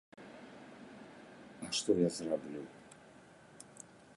А што я зраблю?